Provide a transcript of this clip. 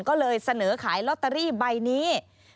ก็เลยเสนอขายลอตเตอรี่ใบนี้